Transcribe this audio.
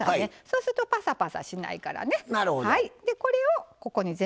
そうするとパサパサしないからね。